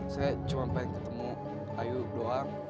saya cuma pengen ketemu ayu doang